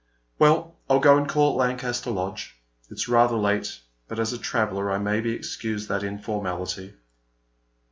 Well, I'll go and call at Lancaster Lodge. It's rather late ; but as a traveller I may be excused that informality."